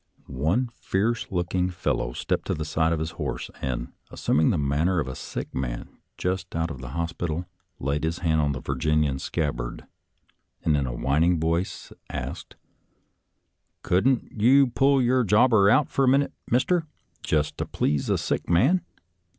One fierce looking fellow stepped to the side of his horse, and, assuming the manner of a sick man just out of the hos pital, laid his hand on the Virginian's scabbard, and, in a whining voice, asked, " Couldn't you pull your jobber out for a minute. Mister, just to please a sick man?